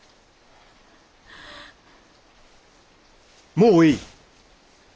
もういい。